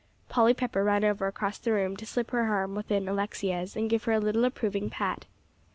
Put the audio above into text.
Polly Pepper ran over across the room to slip her arm within Alexia's, and give her a little approving pat.